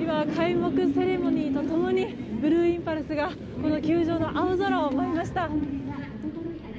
今、開幕セレモニーと共にブルーインパルスが球場の青空を舞いました。